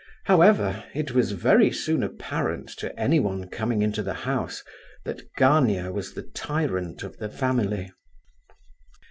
However, it was very soon apparent to anyone coming into the house, that Gania was the tyrant of the family.